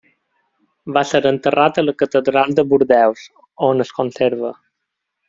Va ser enterrat a la Catedral de Bordeus, on es conserva.